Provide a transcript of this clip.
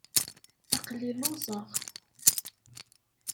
Aql-i lluẓeɣ.